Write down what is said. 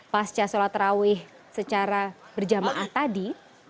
pasca solat rawih secara berjamaah tadi